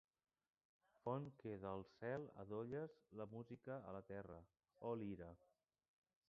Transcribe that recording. Font que del cel adolles la música a la terra, oh lira!